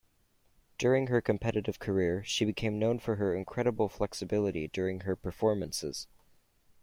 During her competitive career she became known for her incrededible flexibility during her performances.